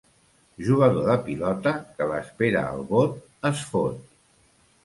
Jugador de pilota que l'espera al bot, es fot.